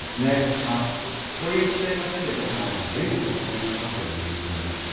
あっそういう一面が好きで僕も全国の古民家カフェを巡っております。